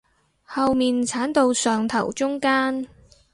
後面剷到上頭中間